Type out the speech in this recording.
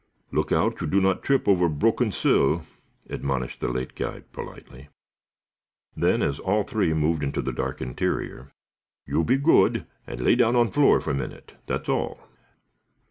"Look out you do not trip over broken sill," admonished the late guide, politely. Then, as all three moved into the dark interior: "You be good, and lay down on floor for minute. That's all."